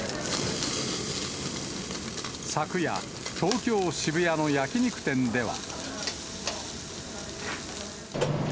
昨夜、東京・渋谷の焼き肉店では。